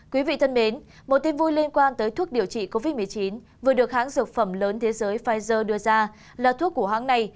quý vị thân mến một tin vui liên quan tới thuốc điều trị covid một mươi chín vừa được hãng dược phẩm lớn thế giới pfizer đưa ra là thuốc của hãng này